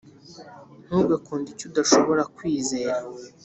ntugakunde icyo udashobora kwizera